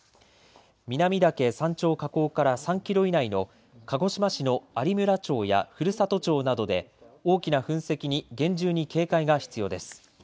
南岳山頂火口から３キロ以内の鹿児島市の有村町や古里町などで大きな噴石に厳重に警戒が必要です。